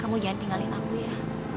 kamu jangan tinggalin aku ya